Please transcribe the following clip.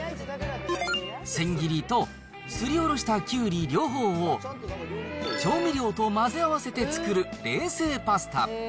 千切りとすりおろしたきゅうり、両方を調味料と混ぜ合わせて作る冷製パスタ。